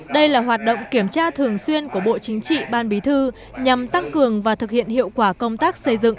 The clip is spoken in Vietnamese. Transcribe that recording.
đây là hoạt động kiểm tra thường xuyên của bộ chính trị ban bí thư nhằm tăng cường và thực hiện hiệu quả công tác xây dựng